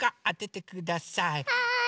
はい！